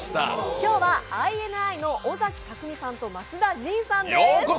今日はＩＮＩの尾崎匠海さんと松田迅さんです。